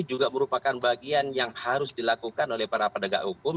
juga merupakan bagian yang harus dilakukan oleh para penegak hukum